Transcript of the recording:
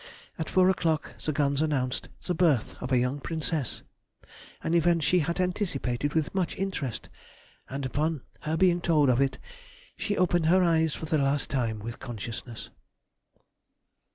At four o'clock the guns announced the birth of a young Princess—an event she had anticipated with much interest; and upon her being told of it she opened her eyes for the last time with consciousness.